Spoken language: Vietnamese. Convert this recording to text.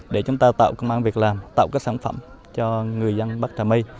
để chúng ta tạo công an việc làm tạo các sản phẩm cho người dân bắc trà mây